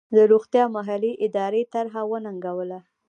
د روغتیا محلي ادارې طرحه وننګوله.